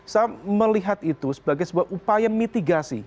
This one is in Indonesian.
saya melihat itu sebagai sebuah upaya mitigasi